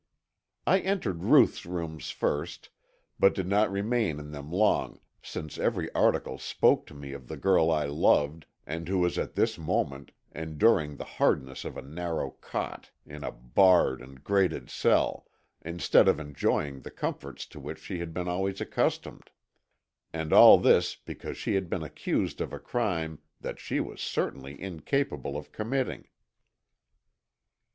I entered Ruth's rooms first, but did not remain in them long, since every article spoke to me of the girl I loved and who was at this moment enduring the hardness of a narrow cot in a barred and grated cell instead of enjoying the comforts to which she had been always accustomed, and all this because she had been accused of a crime that she was utterly incapable of committing.